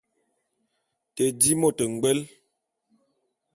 Te di môt ngbwe.